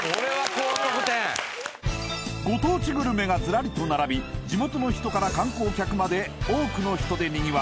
ご当地グルメがズラリと並び地元の人から観光客まで多くの人でにぎわう